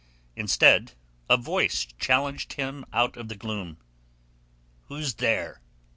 Instead, a voice challenged him out of the gloom. "Who's there?"